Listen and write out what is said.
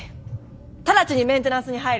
直ちにメンテナンスに入る！